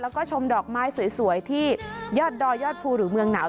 แล้วก็ชมดอกไม้สวยที่ยอดดอยยอดภูหรือเมืองหนาว